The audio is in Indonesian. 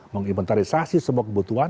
mengimventarisasi semua kebutuhan